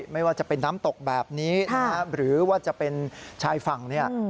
ไม่ว่าจะเป็นน้ำตกแบบนี้หรือว่าจะเป็นชายฝั่งเนี่ย